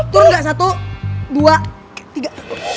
turun nggak satu dua tiga